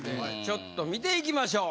ちょっと見ていきましょう。